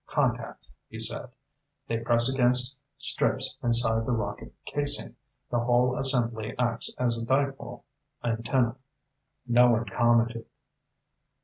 "Contacts," he said. "They press against strips inside the rocket casing. The whole assembly acts as a dipole antenna." No one commented.